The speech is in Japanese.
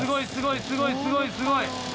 すごいすごい！